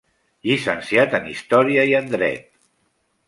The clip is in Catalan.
Llicenciat en Història i en Dret.